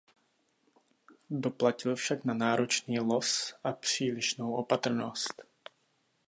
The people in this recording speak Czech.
Doplatil však na náročný los a přílišnou opatrnost.